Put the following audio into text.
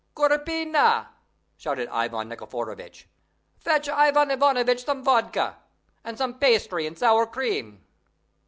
"Gorpina!" shouted Ivan Nikiforovitch, "fetch Ivan Ivanovitch some vodka, and some pastry and sour cream!"